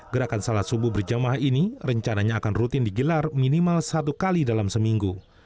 gerakan salat subuh berjamaah ini rencananya akan rutin digelar minimal satu kali dalam seminggu